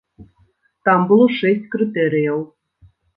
Там было шэсць крытэрыяў.